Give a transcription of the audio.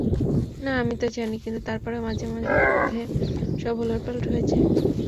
না, আমি তা জানি, কিন্ত তারপরেও মাঝেমধ্যে সব ওলটপালট হয়ে যায়।